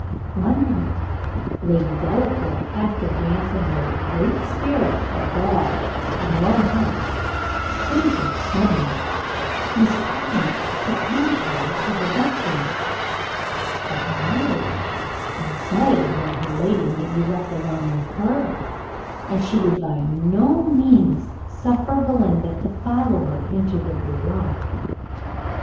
One night, Lady Delacour, after dancing with great spirit at a ball, at her own house, fainted suddenly: Miss Portman attended her to her bedchamber, but Marriott begged that her lady might be left alone with her, and she would by no means suffer Belinda to follow her into the boudoir.